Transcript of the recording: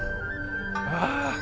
ああ。